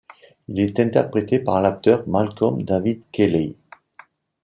Il est interprété par l'acteur Malcolm David Kelley.